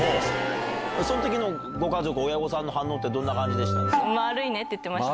その時のご家族親御さんの反応どんな感じでした？